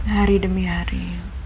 hari demi hari